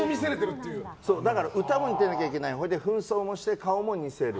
だから、歌も歌わなきゃいけない扮装もして顔も似せる。